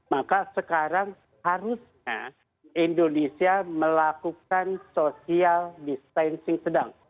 maka sekarang harusnya indonesia melakukan social distancing sedang